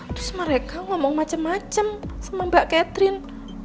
terus mereka ngomong macem macem sama mbak catherine